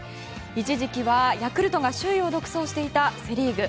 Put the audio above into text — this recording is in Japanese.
一時期はヤクルトが首位を独走していたセ・リーグ。